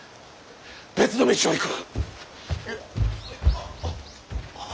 別の道を行く。